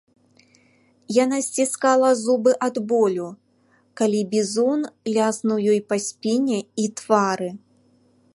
Яна сціскала зубы ад болю, калі бізун ляснуў ёй па спіне і твары.